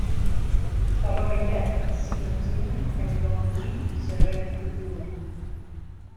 Following that, Sima Xin and Dong Yi surrendered to Liu.